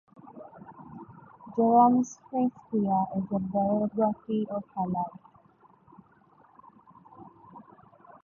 Jerome's "To Principia" is a biography of her life.